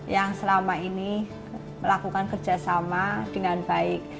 yang selama ini melakukan kerjasama dengan baik